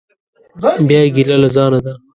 بیا یې ګیله له ځانه ده.